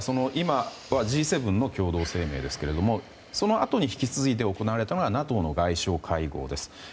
今はＧ７の共同声明ですがそのあとに引き続いて行われたのがＮＡＴＯの外相会合です。